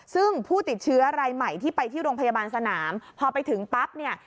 ซึ่งผู้ติดเชื้อรายใหม่ที่ไปที่โรงพยาบาลสนามพอไปถึงปั๊บเนี่ย